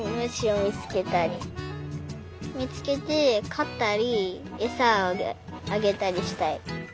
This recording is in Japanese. みつけてかったりえさをあげたりしたい。